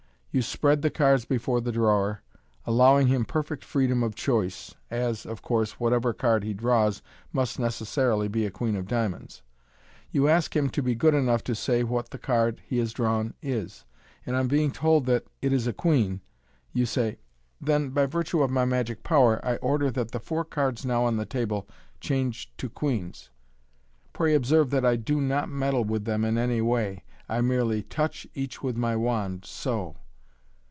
You spread the cards before the drawer, allowing him perfect freedom of choice, as, of course, whatever card he draws must necessarily be a queen of diamonds. You ask him to be good enough to say what the card he has drawn is, and on being told that it is a queen, you say, u Then, by virtue of my magic power, I order that the four cards now on the table change to queens. Pray observe that I do not meddle with them in any way. I merely touch each with my wand, bo